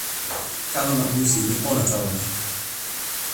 kalama musi li pona tawa mi.